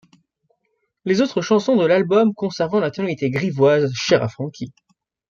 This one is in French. Les autres chansons de l'album conservent la tonalité grivoise chère à Francky.